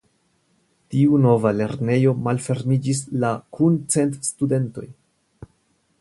Tiu nova lernejo malfermiĝis la kun cent studentoj.